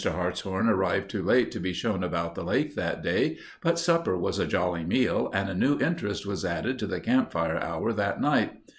Hartshorn arrived too late to be shown about the lake that day, but supper was a jolly meal and a new interest was added to the campfire hour that night.